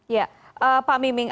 ya pak miming